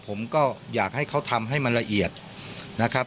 ผมก็อยากให้เขาทำให้มันละเอียดนะครับ